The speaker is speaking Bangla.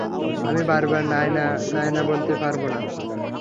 আমি বারবার নায়না নায়না বলতে পারবো না।